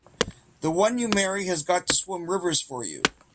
The one you marry has got to swim rivers for you!